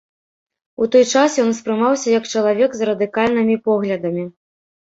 У той час ён успрымаўся як чалавек з радыкальнымі поглядамі.